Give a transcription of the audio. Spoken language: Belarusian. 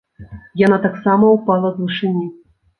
Яна таксама ўпала з вышыні.